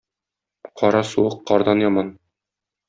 Кара суык кардан яман.